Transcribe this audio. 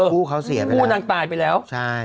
คู่เขาเสียแล้วคู่นางตายไปแล้วใช่